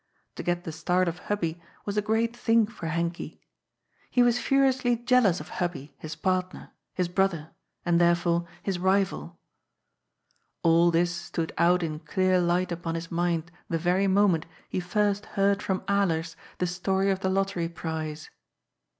To get the start of Hubbie was a great thing for Henkie. He was furiously jealous of Hubbie, his partner, his brother, and, therefore, his rival. All this stood out in clear light upon his mind the very moment he first heard from Alers the story of the lottery, prize.